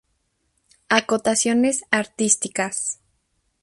Acotaciones artísticas".